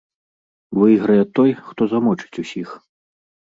Выйграе той, хто замочыць усіх.